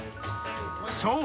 ［そう。